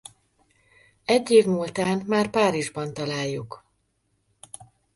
Egy év múltán már Párizsban találjuk.